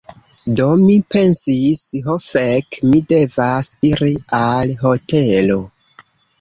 Do mi pensis "Ho fek, mi devas iri al hotelo."